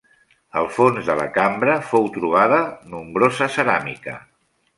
Al fons de la cambra fou trobada nombrosa ceràmica.